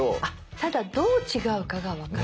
ただどう違うかが分からない。